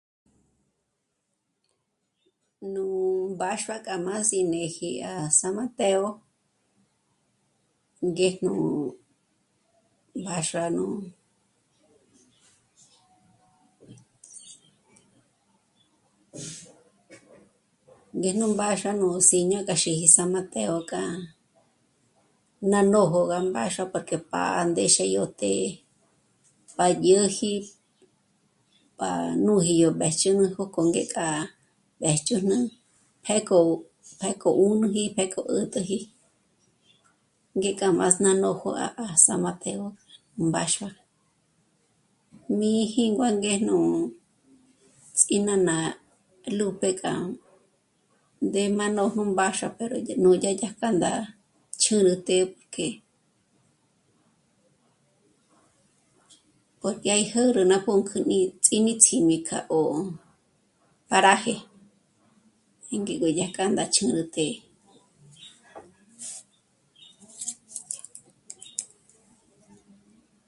Nú mbáxua k'a má sí néji à San Mateo, ngéjnú mbáxua nú... ngéjnú mbáxua nú sí'ño k'a xíji San Mateo k'a... ná nójo gá mbáxua porque pá'a ndéxe yó të́'ë pa dyä̀ji, pa nú jyó mbéjchün'e k'o ngék'a mbéjchün'e pjéko... pjéko ùnüji, pjéko 'ä̀t'äji ngék'a más' ná nójo à... à San Mateo nú mbáxua. Mí jíngua ngéjnú ts'ínána Lupe k'a ndé má nójo mbáxua pero yá dyájk'a nú ch'ǚrütjé k'e... porque à 'íjürü ná pǔnk'ü ní ts'ímits'í mí k'a ò'o paraje 'ìngí gó dyájkja ch'ǚrütjé